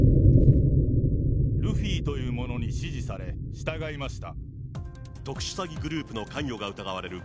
ルフィというものに指示され、従いました。